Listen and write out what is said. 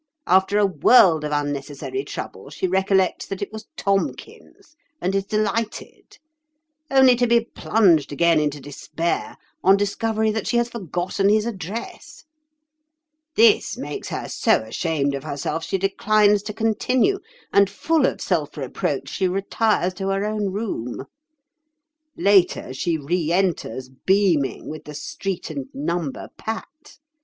After a world of unnecessary trouble she recollects that it was Tomkins, and is delighted; only to be plunged again into despair on discovery that she has forgotten his address. This makes her so ashamed of herself she declines to continue, and full of self reproach she retires to her own room. Later she re enters, beaming, with the street and number pat.